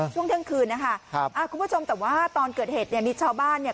ช่วงเที่ยงคืนนะคะครับอ่าคุณผู้ชมแต่ว่าตอนเกิดเหตุเนี่ยมีชาวบ้านเนี่ย